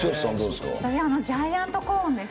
ジャイアントコーンです。